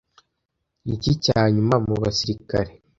niki cyanyuma mubasirikare